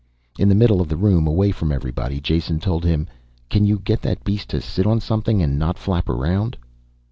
"In the middle of the room, away from everybody," Jason told him. "Can you get that beast to sit on something and not flap around?"